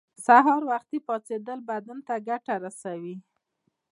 سهار وختی پاڅیدل بدن ته ګټه رسوی